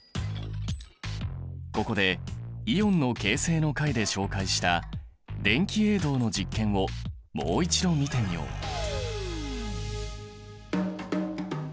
ここでイオンの形成の回で紹介した電気泳動の実験をもう一度見てみよう。